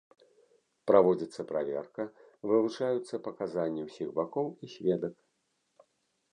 Праводзіцца праверка, вывучаюцца паказанні ўсіх бакоў і сведак.